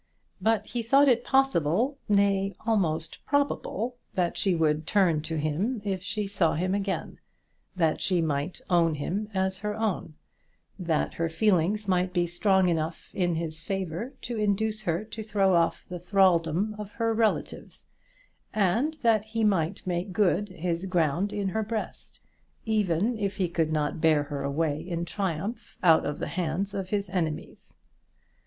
But he thought it possible, nay, almost probable, that she would turn to him if she saw him again; that she might own him as her own; that her feelings might be strong enough in his favour to induce her to throw off the thraldom of her relatives, and that he might make good his ground in her breast, even if he could not bear her away in triumph out of the hands of his enemies.